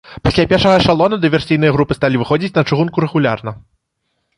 Пасля першага эшалона дыверсійныя групы сталі выходзіць на чыгунку рэгулярна.